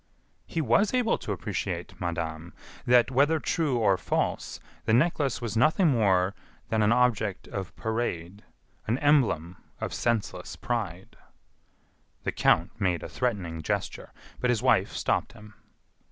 "He was able to appreciate, madame, that, whether true or false, the necklace was nothing more that an object of parade, an emblem of senseless pride." The count made a threatening gesture, but his wife stopped him.